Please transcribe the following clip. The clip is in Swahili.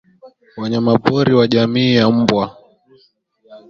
wanyamapori wa jamii ya mbwa